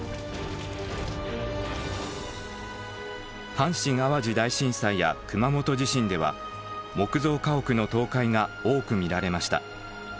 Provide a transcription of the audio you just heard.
阪神・淡路大震災や熊本地震では木造家屋の倒壊が多く見られました。